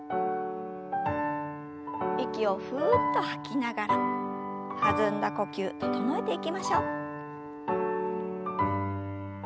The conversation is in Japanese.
息をふっと吐きながら弾んだ呼吸整えていきましょう。